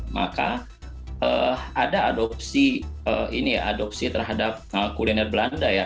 maka ada adopsi terhadap kuliner belanda ya